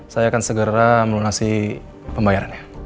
saya akan segera melunasi pembayarannya